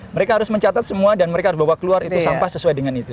mereka harus mencatat semua dan mereka harus bawa keluar itu sampah sesuai dengan itu